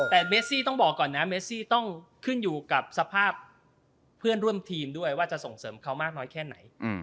แต่เมซี่ต้องบอกก่อนนะเมซี่ต้องขึ้นอยู่กับสภาพเพื่อนร่วมทีมด้วยว่าจะส่งเสริมเขามากน้อยแค่ไหน